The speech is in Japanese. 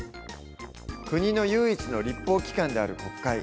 国の唯一の立法機関である国会。